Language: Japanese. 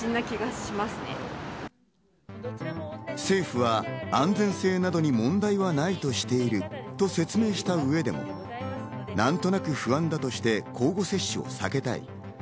政府は安全性などに問題はないとしていると説明した上でも、何となく不安だとして交互接種を避けたい。